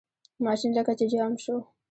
ماشین لکه چې جام شو.